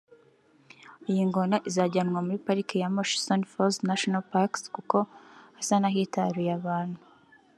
Iyi ngona izajyanwa muri pariki ya Murchison Falls National Park kuko hasa n’ahitaruye abantu